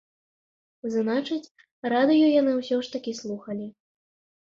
Значыць, радыё яны ўсё ж такі слухалі.